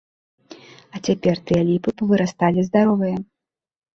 А цяпер тыя ліпы павырасталі здаровыя!